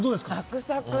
サクサク！